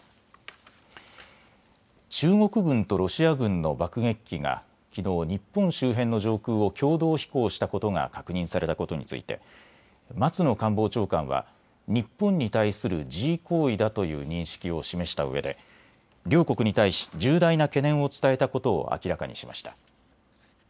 中国軍とロシア軍の爆撃機がきのう日本周辺の上空を共同飛行したことが確認されたことについて松野官房長官は日本に対する示威行為だという認識を示したうえで両国に対し重大な懸念を伝えたことを明らかにしました。